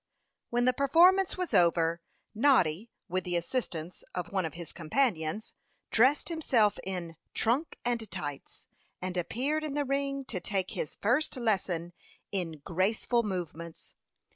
When the performance was over, Noddy, with the assistance of one of his companions, dressed himself in "trunk and tights," and appeared in the ring to take his first lesson in graceful movements.